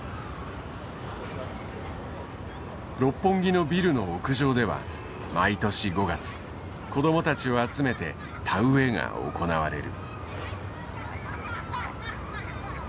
六本木のビルの屋上では毎年５月子供たちを集めて田植えが行われる。